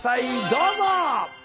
どうぞ！